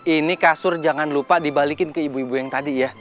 ini kasur jangan lupa dibalikin ke ibu ibu yang tadi ya